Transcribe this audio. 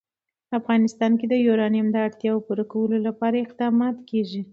په افغانستان کې د یورانیم د اړتیاوو پوره کولو لپاره اقدامات کېږي.